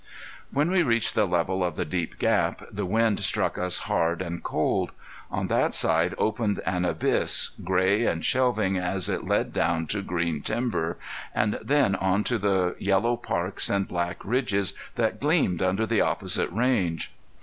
When we reached the level of the deep gap the wind struck us hard and cold. On that side opened an abyss, gray and shelving as it led down to green timber, and then on to the yellow parks and black ridges that gleamed under the opposite range.